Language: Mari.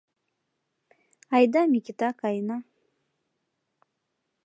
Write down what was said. Айда, Микита, каена!